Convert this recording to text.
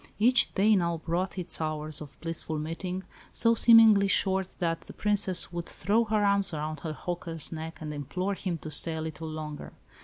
Each day now brought its hours of blissful meeting, so seemingly short that the Princess would throw her arms around her "hawker's" neck and implore him to stay a little longer.